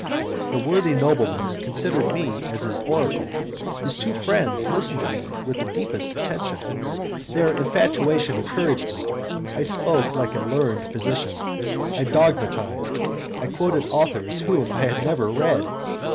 The worthy nobleman considered me as his oracle, and his two friends listened to me with the deepest attention. Their infatuation encouraging me, I spoke like a learned physician, I dogmatized, I quoted authors whom I had never read.